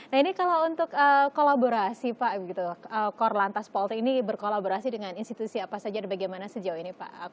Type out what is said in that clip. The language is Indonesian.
nah ini kalau untuk kolaborasi pak korlantas polri ini berkolaborasi dengan institusi apa saja dan bagaimana sejauh ini pak